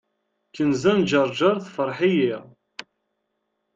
Kenza n ǧerǧer tefreḥ-iyi.